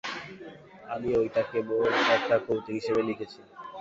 আমি ঐটা কেবল একটা কৌতুক হিসেবে লিখেছি।